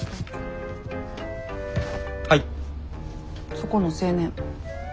そこの青年。